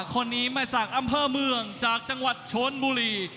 คนนี้มาจากอำเภอเมืองจากจังหวัดชนบุรี